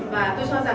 và đó cũng là